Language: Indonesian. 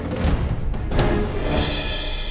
aku sudah berpikir